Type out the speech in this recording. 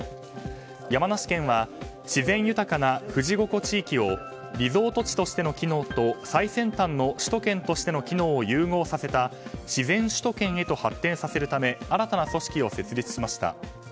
山梨県は自然豊かな富士五湖地域をリゾート地としての機能と首都圏としての機能を融合した自然首都圏へと発展させるため新たな組織を設立しました。